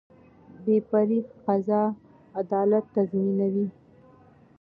بې پرې قضا عدالت تضمینوي